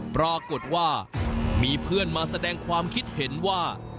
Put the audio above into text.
ปรากฏว่ามีเพื่อนมาแสดงความคิดเห็นว่า